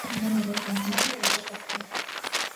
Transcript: Historias y personajes-Monseñor Pablo Cabrera.